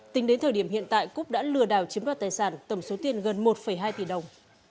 tính đến thời điểm hiện tại cúc đã lừa đảo chiếm đoạt tài sản tổng số tiền gần một hai tỷ đồng